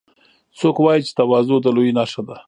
څوک وایي چې تواضع د لویۍ نښه ده